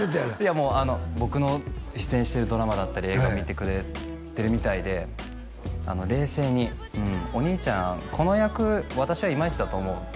もう僕の出演してるドラマだったり映画を見てくれてるみたいで冷静に「お兄ちゃんこの役」「私はイマイチだと思う」